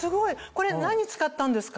これ何使ったんですか？